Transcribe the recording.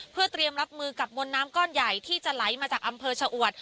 เพื่อเตรียมรับมือกับมวลน้ำก้อนใหญ่ที่จะไหลมาจากอำเภอชะอวด